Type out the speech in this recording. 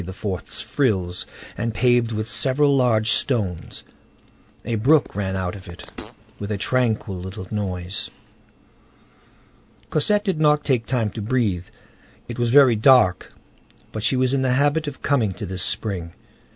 's frills, and paved with several large stones. A brook ran out of it, with a tranquil little noise. Cosette did not take time to breathe. It was very dark, but she was in the habit of coming to this spring.